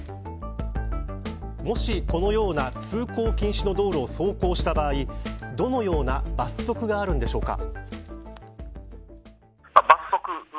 もし、このような通行禁止の道路を走行した場合どのような罰則があるんでしょうか。